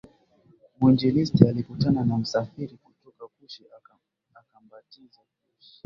mwinjilisti alikutana na msafiri kutoka Kushi akambatiza Kushi